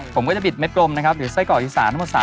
ผมก็จะบีดเม็ดกลมนะครับหรือไส้ก่อนไอศาสตร์ทั้งหมด๓อัน